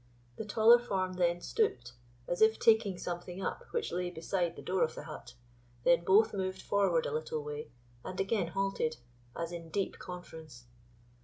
The taller form then stooped, as if taking something up which lay beside the door of the hut, then both moved forward a little way, and again halted, as in deep conference.